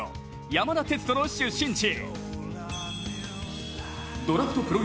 山田哲人の出身地。